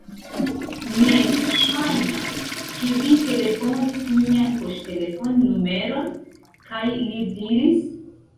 Ne. Ŝajnas ke vi telefonis mian poŝtelefon-numeron. kaj li diris: